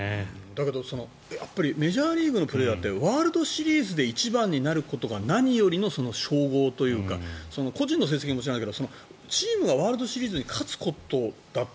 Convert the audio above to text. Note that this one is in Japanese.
だけど、メジャーリーグのプレーヤーってワールドシリーズで一番になることが何よりの称号というか個人の成績ももちろんだけどチームがワールドシリーズに勝つことだって。